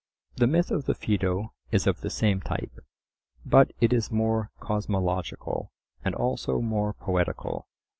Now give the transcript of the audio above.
The myth of the Phaedo is of the same type, but it is more cosmological, and also more poetical.